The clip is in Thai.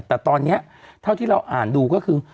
แต่ตอนนี้เท่าที่เราอ่านดูก็คือ